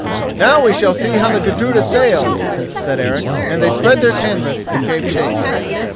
"Now we shall see how the Gudruda sails," said Eric, and they spread their canvas and gave chase.